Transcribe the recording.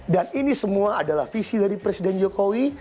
dan ini semua adalah visi dari presiden jokowi